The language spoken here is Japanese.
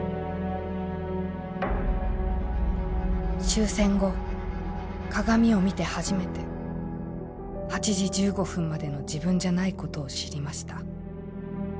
「終戦後鏡を見て初めて８時１５分までの自分じゃないことを知りました。